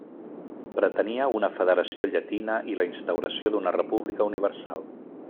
Pretenia una federació llatina i la instauració d'una República universal.